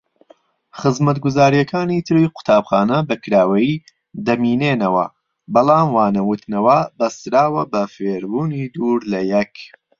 خزمەتگوزاریەکانی تری قوتابخانە بەکراوەیی دەمینێنەوە بەڵام وانەوتنەوە بەستراوە بە فێربوونی دوور لەیەک.